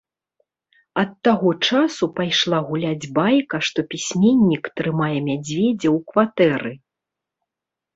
Ад таго часу пайшла гуляць байка, што пісьменнік трымае мядзведзя ў кватэры.